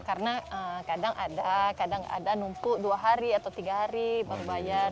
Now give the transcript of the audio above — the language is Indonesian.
iya karena kadang ada numpuk dua hari atau tiga hari baru bayar